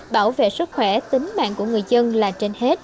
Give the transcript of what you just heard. bảo vệ sức khỏe tính mạng của người dân là trên hết